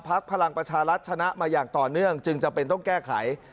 พลังประชารัฐชนะมาอย่างต่อเนื่องจึงจำเป็นต้องแก้ไข